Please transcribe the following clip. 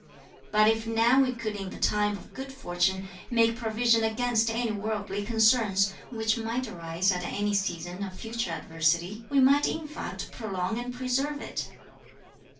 But if now, we could in the time of good fortune, make provision against any worldly concerns, which might arise at any season of future adversity, we might in fact prolong and preserve it.